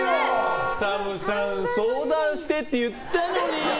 ＳＡＭさん、相談してって言ったのに！